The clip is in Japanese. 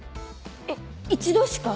えっ一度しか？